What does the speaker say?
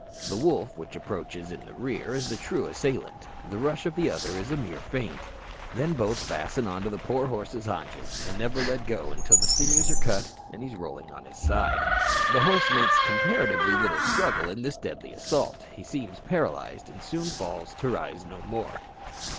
The wolf which approaches in rear is the true assailant; the rush of the other is a mere feint. Then both fasten on the poor horse's haunches, and never let go till the sinews are cut and he is rolling on his side. The horse makes comparatively little struggle in this deadly assault; he seems paralyzed, and soon falls to rise no more.